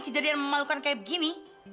kejadian memalukan kayak begini